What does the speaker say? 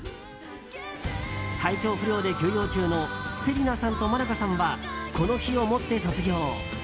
体調不良で休養中の芹奈さんとｍａｎａｋａさんはこの日をもって卒業。